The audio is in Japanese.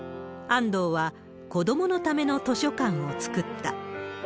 安藤は、子どものための図書館を作った。